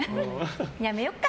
やめよっか！